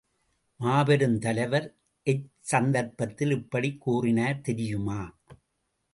மாபெருந் தலைவர் எச்சந்தர்ப்பத்தில் இப்படிக் கூறினார் தெரியுமா?